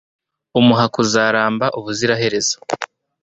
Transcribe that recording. umuha kuzaramba ubuziraherezo